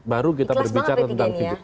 baru kita berbicara tentang